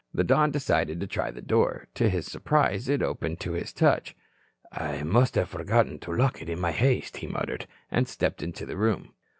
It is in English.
The Don decided to try the door. To his surprise, it opened to his touch. "I must have forgotten to lock it in my haste," he muttered, and stepped into the room.